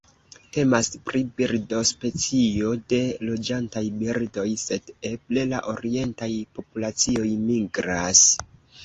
Temas pri birdospecio de loĝantaj birdoj, sed eble la orientaj populacioj migras.